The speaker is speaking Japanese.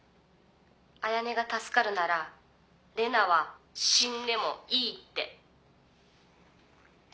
彩音が助かるなら玲奈は死んでもいいって。